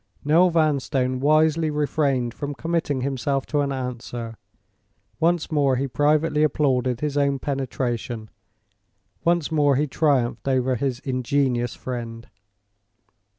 Noel Vanstone wisely refrained from committing himself to an answer. Once more he privately applauded his own penetration; once more he triumphed over his ingenious friend.